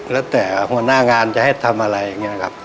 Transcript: แล้วแต่หัวหน้างานจะให้ทำอะไรอย่างนี้นะครับ